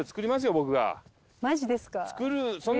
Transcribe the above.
マジですか？